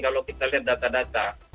kalau kita lihat data data